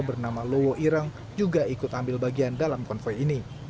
bernama lowo ireng juga ikut ambil bagian dalam konvoy ini